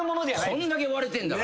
こんだけ割れてんだから。